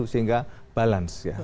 sehingga balance ya